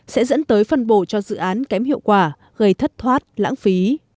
sẽ dẫn tới phân bổ cho dự án kém hiệu quả gây thất thoát lãng phí